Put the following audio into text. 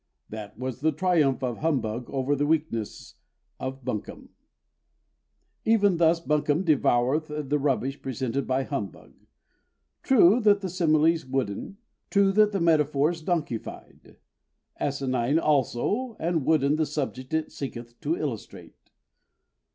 That was the triumph of Humbug over the weakness of Bunkum. Even thus Bunkum devoureth the rubbish presented by Humbug. True that the simile's wooden; true that the metaphor's donkeyfied! Asinine also and wooden the subject it seeketh to illustrate.